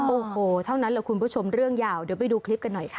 โอ้โหเท่านั้นแหละคุณผู้ชมเรื่องยาวเดี๋ยวไปดูคลิปกันหน่อยค่ะ